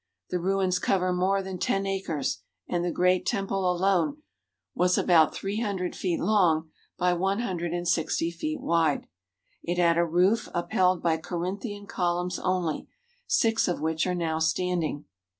The ruins cover more than ten acres, and the Great Tem ple alone was about three hundred feet long by one hundred and sixty feet wide. It had a roof upheld by Corinthian columns only, six of which are now standing.